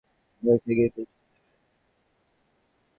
কোনোমতেই না আমরা রাজি না হলে সে কীভাবে প্রতিশোধ নিবে জানি না।